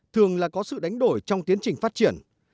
thường là có sự đánh đổi trong tiến trình phát triển